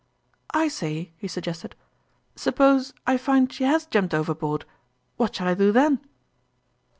" I say," he suggested, " suppose I find she has jumped overboard what shall I do then